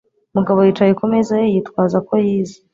Mugabo yicaye ku meza ye, yitwaza ko yize.